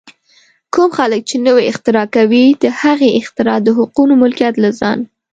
کوم خلک چې نوې اختراع کوي، د هغې اختراع د حقوقو ملکیت له ځان